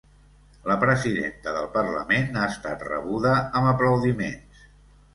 La presidenta del parlament ha estat rebuda amb aplaudiments.